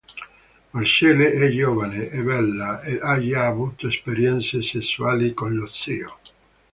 Marcelle è giovane e bella ed ha già avuto esperienze sessuali con lo zio.